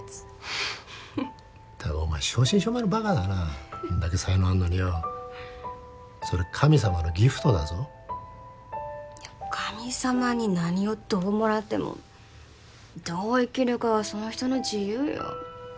まったくお前正真正銘のバカだなそんだけ才能あんのによそれ神様のギフトだぞいや神様に何をどうもらってもどう生きるかはその人の自由よ